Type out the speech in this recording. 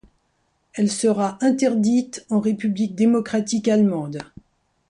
Elle sera interdite en république démocratique allemande.